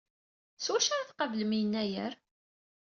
S wacu ara tqablem Yennayer?